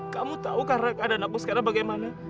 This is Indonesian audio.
kamu tahu keadaan aku sekarang bagaimana